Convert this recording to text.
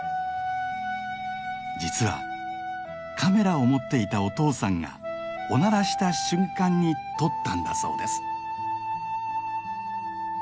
実はカメラを持っていたお父さんがオナラした瞬間に撮ったんだそうです。